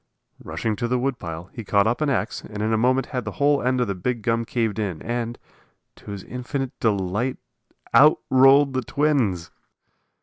Rushing to the wood pile, he caught up an ax and in a moment had the whole end of the big gum caved in, and, to his infinite delight, out rolled the twins!